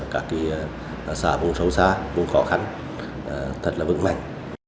các xã vùng sâu xa vùng khó khăn thật là vững mạnh